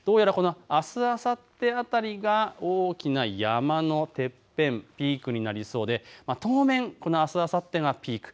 あすあさって辺りが大きな山のてっぺん、ピークになりそうで当面あすあさってがピーク。